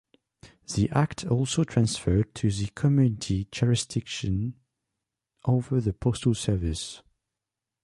The act also transferred to the committee jurisdiction over the postal service.